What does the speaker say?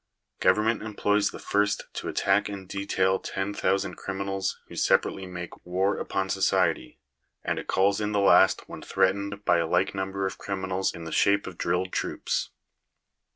Government employs the first to attack in detail ten thousand criminals who separately make war upon society; and it calls in the last when threatened by a like number of criminals in the shape of drilled troops.